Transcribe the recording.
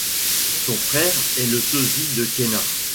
Son frère est le sosie de Khéna.